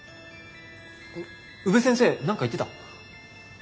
宇部先生何か言ってた？